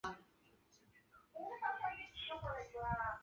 这位新主席以竞选活动中极端排外的形象引人注目。